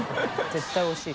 絶対おいしい。